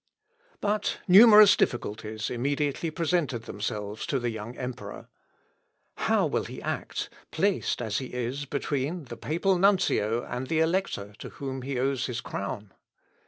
But numerous difficulties immediately presented themselves to the young emperor. How will he act, placed, as he is, between the papal nuncio and the Elector to whom he owes his crown?